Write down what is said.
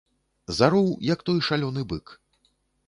Зароў, як той шалёны бык.